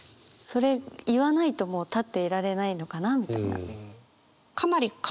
それ言わないともう立っていられないのかなみたいな。